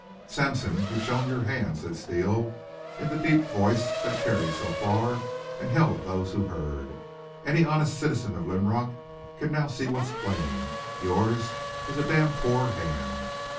"Sampson, you've shown your hand," said Steele, in the deep voice that carried so far and held those who heard. "Any honest citizen of Linrock can now see what's plain yours is a damn poor hand!